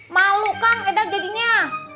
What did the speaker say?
malu kang saya jadinya